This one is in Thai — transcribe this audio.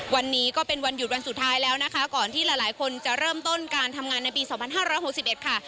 วันนี้ก็เป็นวันหยุดวันสุดท้ายแล้วนะคะก่อนที่หลายหลายคนจะเริ่มต้นการทำงานในปีสองพันห้าร้อยหกสิบเอ็ดค่ะ